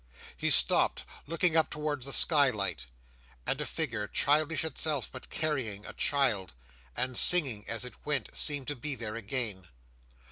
He stopped, looking up towards the skylight; and a figure, childish itself, but carrying a child, and singing as it went, seemed to be there again.